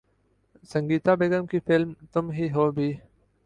سنگیتا بیگم کی فلم ’تم ہی ہو‘ بھی